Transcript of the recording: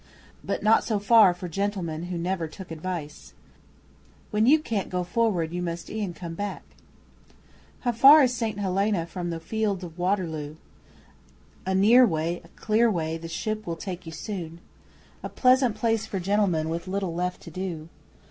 But not so far for gentlemen who never took advice. (When you can't go forward you must e'en come back!) How far is St Helena from the field of Waterloo? A near way a clear way the ship will take you soon. A pleasant place for gentlemen with little left to do.